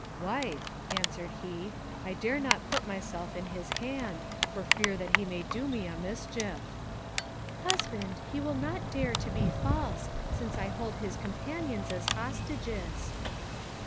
"Wife," answered he, "I dare not put myself in his hand, for fear that he may do me a mischief." "Husband, he will not dare to be false, since I hold his companions as hostages."